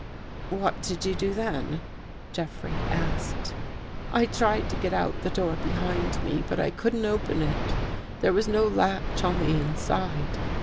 " What did you do then? " Jeffrey asked. " I tried to get out the door behind me, but I couldn't open it. There was no latch on the inside.